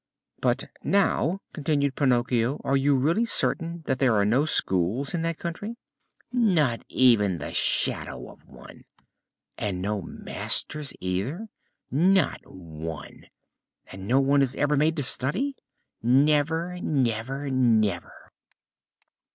"But now," continued Pinocchio, "are you really certain that there are no schools in that country?" "Not even the shadow of one." "And no masters either?" "Not one." "And no one is ever made to study?" "Never, never, never!"